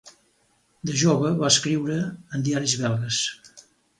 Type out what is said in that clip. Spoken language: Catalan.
De jove va escriure en diaris belgues.